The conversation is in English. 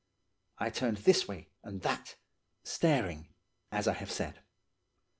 "I turned this way and that, staring, as I have said.